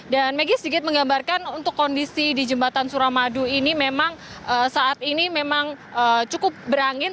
dan maggie sedikit menggambarkan untuk kondisi di jembatan suramadu ini memang saat ini memang cukup berangin